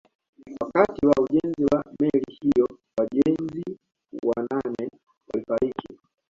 Wakati wa ujenzi wa meli hiyo wajenzi wanane walifariki